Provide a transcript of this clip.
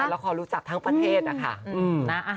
ละครรู้จักทั้งประเทศนะคะ